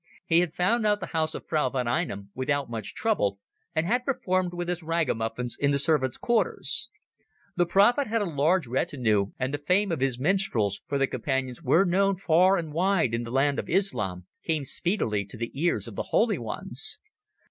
He had found out the house of Frau von Einem without much trouble, and had performed with his ragamuffins in the servants' quarters. The prophet had a large retinue, and the fame of his minstrels—for the Companions were known far and wide in the land of Islam—came speedily to the ears of the Holy Ones.